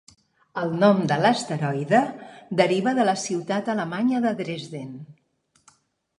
El nom de l'asteroide deriva de la ciutat alemanya de Dresden.